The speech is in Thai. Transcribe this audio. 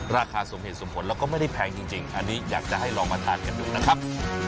ราคาสมเหตุสมผลแล้วก็ไม่ได้แพงจริงอันนี้อยากจะให้ลองมาทานกันดูนะครับ